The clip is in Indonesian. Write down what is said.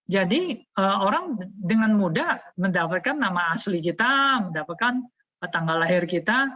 jadi orang dengan mudah mendapatkan nama asli kita mendapatkan tanggal lahir kita